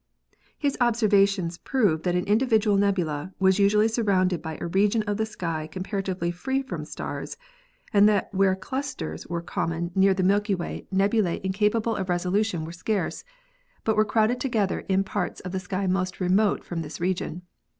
His observations proved that an individual nebula was usually surrounded by a region of the sky com paratively free from stars, and that where clusters were NEBULA AND STAR CLUSTERS 295 common near the Milky Way nebulae incapable of resolu tion were scarce, but were crowded together in parts of the sky most remote from this region.